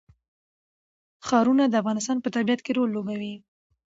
ښارونه د افغانستان په طبیعت کې رول لوبوي.